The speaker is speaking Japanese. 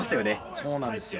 そうなんですよ。